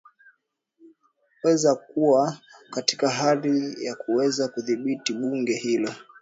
weza kuwa katika hali ya kuweza kudhibiti bunge hilo